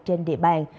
trên địa bàn